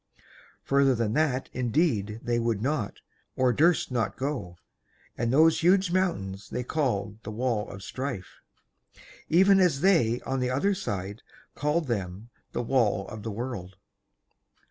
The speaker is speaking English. Further than that indeed they would not, or durst not go; and those huge mountains they called the Wall of Strife, even as they on the other side called them the Wall of the World.